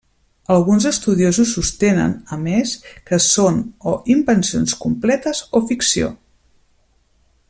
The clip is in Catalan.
Alguns estudiosos sostenen, a més, que són o invencions completes o ficció.